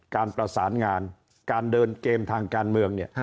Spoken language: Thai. การประสานงานการเดินเกมทางการเมืองเนี่ย